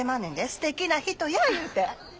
すてきな人や言うて。